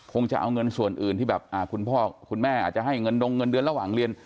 จะเอาเงินส่วนอื่นที่แบบคุณพ่อคุณแม่อาจจะให้เงินดงเงินเดือนระหว่างเรียน